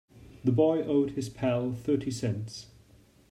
The boy owed his pal thirty cents.